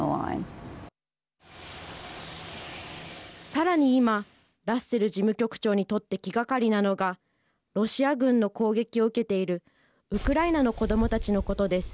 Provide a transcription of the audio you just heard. さらに今、ラッセル事務局長にとって気がかりなのがロシア軍の攻撃を受けているウクライナの子どもたちのことです。